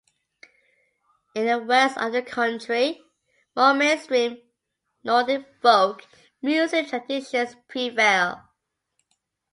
In the west of the country, more mainstream Nordic folk music traditions prevail.